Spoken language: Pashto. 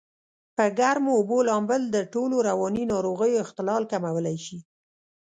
په ګرمو اوبو لامبل دټولو رواني ناروغیو اختلال کمولای شي.